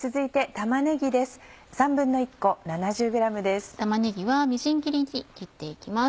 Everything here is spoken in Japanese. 玉ねぎはみじん切りに切って行きます。